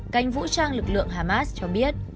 cánh vũ trang lực lượng hamas cho biết